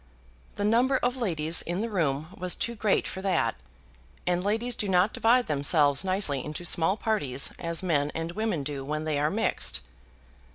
The number of ladies in the room was too great for that, and ladies do not divide themselves nicely into small parties, as men and women do when they are mixed.